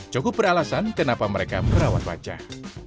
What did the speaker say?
cukup beralasan kenapa mereka merawat wajah